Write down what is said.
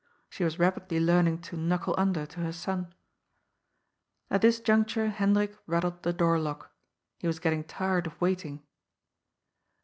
She was rapidly learning to ^^ knuckle under " to her son. At this juncture Hendrik rattled the door lock. He was getting tired of waiting.